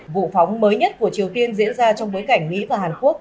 vụ phóng mới nhất của triều tiên diễn ra trong bối cảnh mỹ và hàn quốc